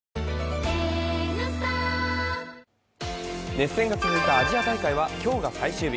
熱戦が続いたアジア大会は今日が最終日。